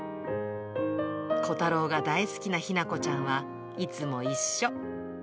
コタローが大好きな日向子ちゃんはいつも一緒。